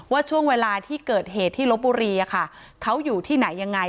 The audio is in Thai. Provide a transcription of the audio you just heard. ว่าช่วงเวลาที่เกิดเหตุที่ลบบุรีเขาอยู่ที่ไหนยังไง